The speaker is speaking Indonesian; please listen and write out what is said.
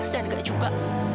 dan enggak juga